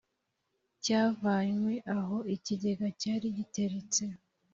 cyavanywe aho ikigega cyari giteretse